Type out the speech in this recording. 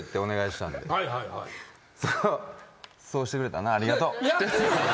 そうしてくれたなありがとう！